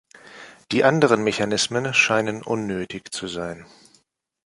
Die anderen Mechanismen scheinen unnötig zu sein.